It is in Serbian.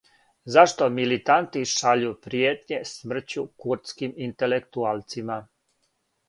Зашто милитанти шаљу пријетње смрћу курдским интелектуалцима?